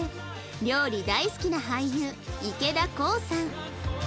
料理大好きな俳優池田航さん